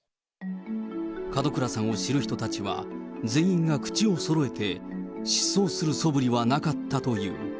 門倉さんを知る人たちは、全員が口をそろえて、失踪するそぶりはなかったという。